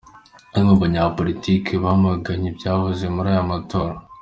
Bamwe mu banya politiki bamaganye ibyavuye muri aya matora.